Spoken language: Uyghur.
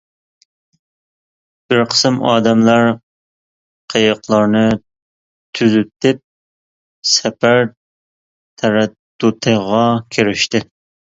بىر قىسىم ئادەملەر قېيىقلارنى تۈزىتىپ، سەپەر تەرەددۇتىغا كىرىشتى.